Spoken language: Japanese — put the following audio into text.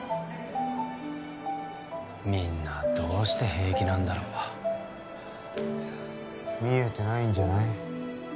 みんなどうして平気なんだろう見えてないんじゃない？